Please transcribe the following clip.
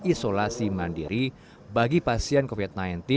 isolasi mandiri bagi pasien covid sembilan belas